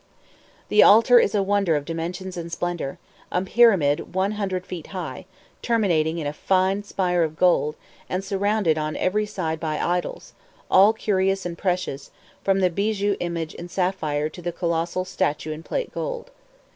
The altar is a wonder of dimensions and splendor, a pyramid one hundred feet high, terminating in a fine spire of gold, and surrounded on every side by idols, all curious and precious, from the bijou image in sapphire to the colossal statue in plate gold.